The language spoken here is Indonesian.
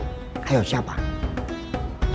sekarang yang menjadi dewan pertimbangan